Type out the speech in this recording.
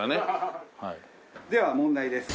では問題です。